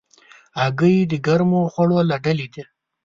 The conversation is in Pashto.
هګۍ د ګرمو خوړو له ډلې ده.